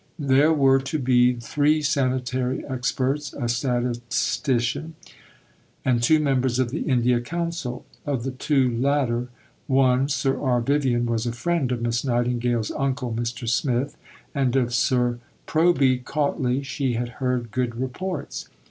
There were to be three sanitary experts, a statistician, and two members of the India Council. Of the two latter, one (Sir R. Vivian) was a friend of Miss Nightingale's uncle, Mr. Smith; and of Sir Proby Cautley she had heard good reports.